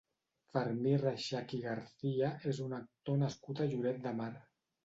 Fermí Reixach i García és un actor nascut a Lloret de Mar.